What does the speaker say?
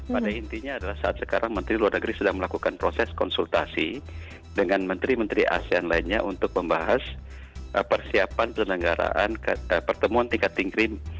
pada intinya adalah saat sekarang menteri luar negeri sedang melakukan proses konsultasi dengan menteri menteri asean lainnya untuk membahas persiapan penyelenggaraan pertemuan tingkat tinggi